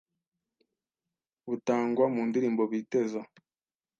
butangwa mu ndirimbo biteza